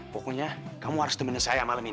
pokoknya kamu harus temenin saya malam ini